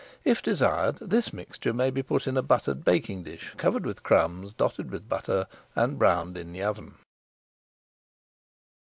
If desired, this mixture may be put into a buttered baking dish, covered with crumbs, dotted with butter, and browned in the oven.